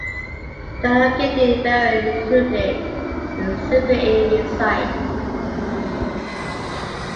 The elongated barrel included a simple aiming sight.